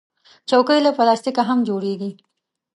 چوکۍ له پلاستیکه هم جوړیږي.